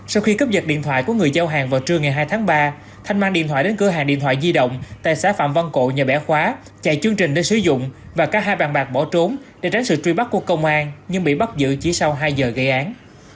sau khi cướp giật điện thoại của người giao hàng vào trưa ngày hai tháng ba thanh mang điện thoại đến cửa hàng điện thoại di động tại xã phạm văn cộ nhờ bẻ khóa chạy chương trình để sử dụng và cả hai bàn bạc bỏ trốn để tránh sự truy bắt của công an nhưng bị bắt giữ chỉ sau hai giờ gây án